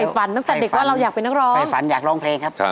ฝันตั้งแต่เด็กว่าเราอยากเป็นนักร้องใครฝันอยากร้องเพลงครับ